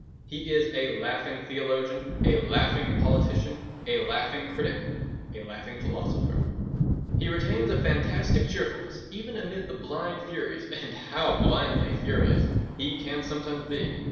He is a laughing theologian, a laughing politician, a laughing critic, a laughing philosopher. He retains a fantastic cheerfulness even amid the blind furies—and how blindly furious he can sometimes be!